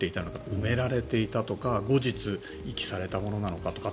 埋められていたとか後日遺棄されたものなのかとか。